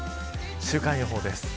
週間予報です。